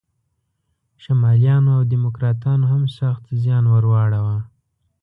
شمالیانو او دیموکراتانو هم سخت زیان ور واړاوه.